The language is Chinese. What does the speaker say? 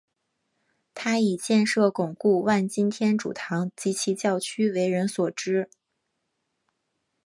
他以建设巩固万金天主堂及其教区为人所知。